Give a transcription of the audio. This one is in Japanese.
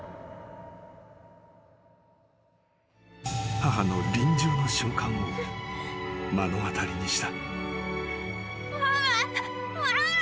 ［母の臨終の瞬間を目の当たりにした］